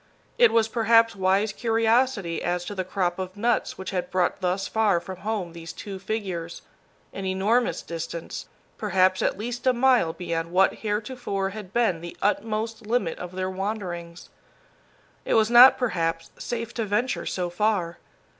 It was perhaps wise curiosity as to the crop of nuts which had brought thus far from home these two figures an enormous distance, perhaps at least a mile beyond what heretofore had been the utmost limit of their wanderings. It was not, perhaps, safe to venture so far.